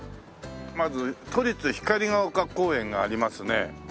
まず都立光が丘公園がありますね。